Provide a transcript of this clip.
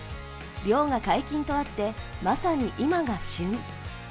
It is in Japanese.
漁が解禁とあって、まさに今が旬。